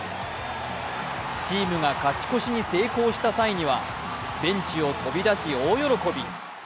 チームが勝ち越しに成功した際にはベンチを飛び出し大喜び。